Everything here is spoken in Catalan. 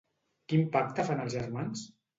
Quin pacte fan els germans?